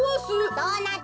ドーナツ！